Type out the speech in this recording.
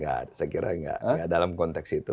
gak saya kira gak dalam konteks itu